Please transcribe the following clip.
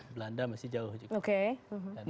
belanda masih jauh juga